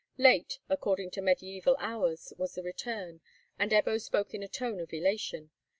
Late, according to mediæval hours, was the return, and Ebbo spoke in a tone of elation.